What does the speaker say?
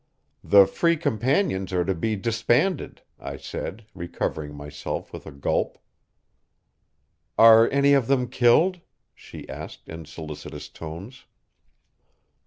"The free companions are to be disbanded," I said, recovering myself with a gulp. "Are any of them killed?" she asked in solicitous tones.